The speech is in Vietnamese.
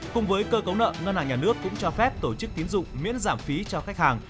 cùng với cơ cấu nợ ngân hàng nhà nước cũng cho phép tổ chức tiến dụng miễn giảm phí cho khách hàng